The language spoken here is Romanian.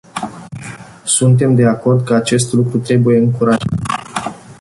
Suntem de acord că acest lucru trebuie încurajat.